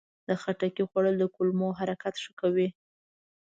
د خټکي خوړل د کولمو حرکت ښه کوي.